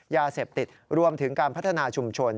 ยาเสพติดรวมถึงการพัฒนาชุมชน